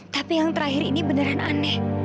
tapi yang terakhir ini beneran aneh